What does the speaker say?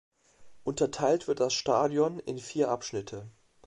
Unterteilt wird das Stadion in vier Abschnitte.